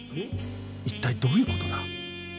一体どういう事だ？